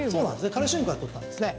カルシウムから取ったんですね。